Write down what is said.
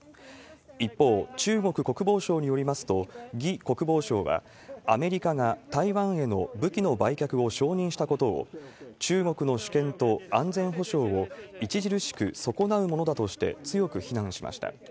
一方、中国国防省によりますと、魏国防相は、アメリカが台湾への武器の売却を承認したことを、中国の主権と安全保障を著しく損なうものだとして強く非難しました。